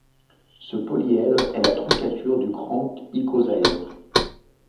Ce polyèdre est la troncature du grand icosaèdre.